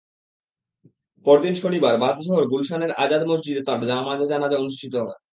পরদিন শনিবার বাদ জোহর গুলশানের আজাদ মসজিদে তাঁর জানাজা নামাজ অনুষ্ঠিত হয়।